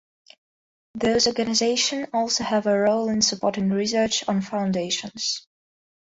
Those organization also have a role in supporting research on foundations.